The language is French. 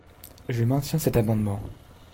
Je maintiens cet amendement.